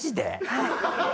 はい。